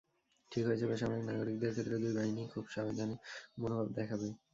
ঠিক হয়েছে, বেসামরিক নাগরিকদের ক্ষেত্রে দুই বাহিনীই খুবই সাবধানী মনোভাব দেখাবে।